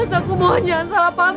terus aku mohon jangan salah paham